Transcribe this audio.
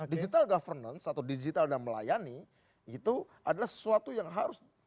digital governance atau digital dan melayani itu adalah sesuatu yang harus